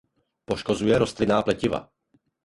Poškozuje rostlinná pletiva.